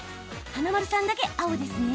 華丸さんだけ青ですね。